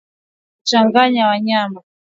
Kuchanganya wanyama